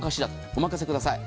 お任せください。